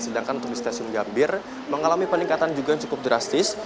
sedangkan untuk di stasiun gambir mengalami peningkatan juga yang cukup drastis